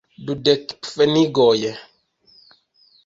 Dudek pfenigoj.